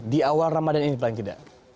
di awal ramadan ini paling tidak